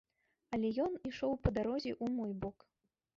Але ён ішоў па дарозе ў мой бок.